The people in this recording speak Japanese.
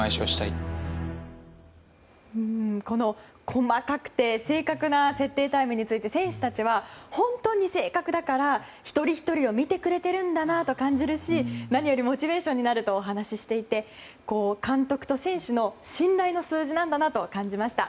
細かくて正確な設定タイムについて選手たちは本当に正確だから一人ひとりを見てくれているんだなと感じるし何よりもモチベーションになるとお話ししていて監督と選手の信頼の数字なんだなと感じました。